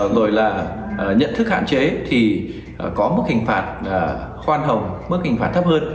rồi là nhận thức hạn chế thì có mức hình phạt khoan hồng mức hình phạt thấp hơn